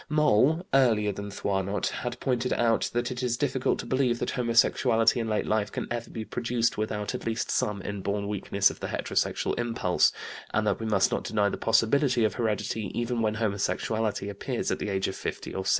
Moll, earlier than Thoinot, had pointed out that it is difficult to believe that homosexuality in late life can ever be produced without at least some inborn weakness of the heterosexual impulse, and that we must not deny the possibility of heredity even when homosexuality appears at the age of 50 or 60.